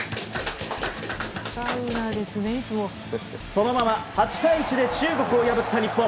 そのまま８対１で中国を破った日本。